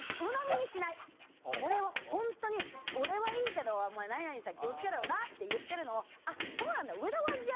これはホントに「俺はいいけどお前何々さん気を付けろよな」って言ってるのを「そうなんだ上田はやっていいんだ。